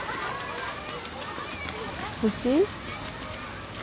欲しい？